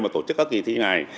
mà tổ chức các kỳ thi này